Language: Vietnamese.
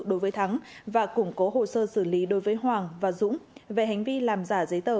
đối với thắng và củng cố hồ sơ xử lý đối với hoàng và dũng về hành vi làm giả giấy tờ